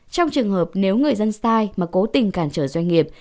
trong trường hợp nếu người dân sai mà cố tình cản trở doanh nghiệp